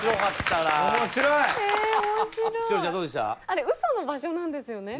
あれウソの場所なんですよね？